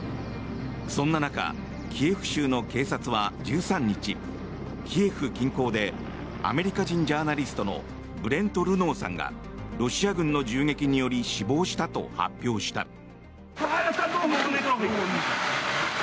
そんな中キエフ州の警察は１３日キエフ近郊でアメリカ人ジャーナリストのブレント・ルノーさんがロシア軍の銃撃により死亡したと発表した。